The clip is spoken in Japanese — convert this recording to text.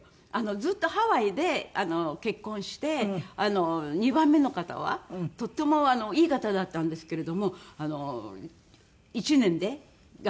ずっとハワイで結婚して２番目の方はとってもいい方だったんですけれども１年であの。